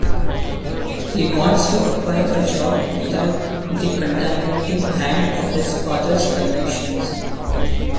He wants to acquire a job without the contaminating hand of his father's connections.